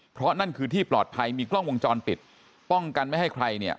เพราะนั่นคือที่ปลอดภัยมีกล้องวงจรปิดป้องกันไม่ให้ใครเนี่ย